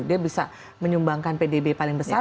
dia bisa menyumbangkan pdb paling besar saat ini